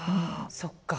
そっか。